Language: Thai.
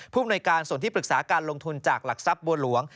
ภูมิในการส่วนที่ปรึกษาการลงทุนจากหลักทรัพย์บัวหลวง